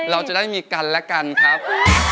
เราจะได้มีกันและกันครับ